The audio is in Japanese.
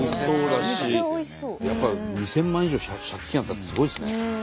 やっぱり２，０００万円以上借金あったってすごいですね。